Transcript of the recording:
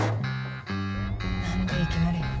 何でいきなり。